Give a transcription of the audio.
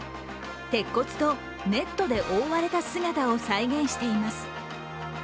鉄骨とネットで覆われた姿を再現しています。